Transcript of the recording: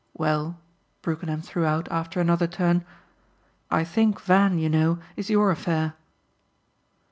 "Well," Brookenham threw out after another turn, "I think Van, you know, is your affair."